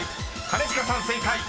兼近さん正解。